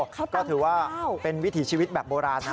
ก็ถือว่าเป็นวิถีชีวิตแบบโบราณนะ